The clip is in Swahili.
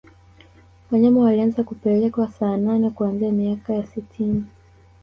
wanyama walianza kupelekwa saanane kuanzia miaka ya sitini